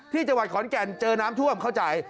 ที่จังหวัดขอนแก่นเจอน้ำท่วมเข้าใจ